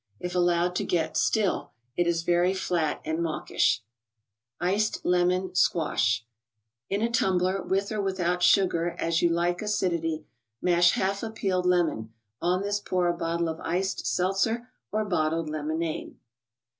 If allowed to get " still," it is very flat and mawkish. Sleet) Lemon " ^quajslj." In ., a tumbl f' ; 7 with or with¬ out sugar as you like acidity, mash half a peeled lemon ; on this pour a bottle of iced seltzer or bottled lemonade.